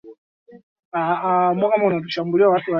ishirini na tano wakati wa Januari Kwenye sehemu za juu